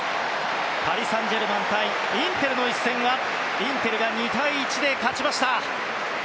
パリ・サンジェルマン対インテルの一戦はインテルが２対１で勝ちました。